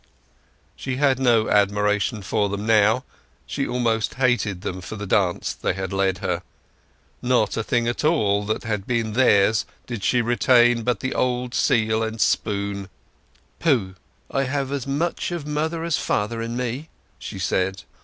She had no admiration for them now; she almost hated them for the dance they had led her; not a thing of all that had been theirs did she retain but the old seal and spoon. "Pooh—I have as much of mother as father in me!" she said.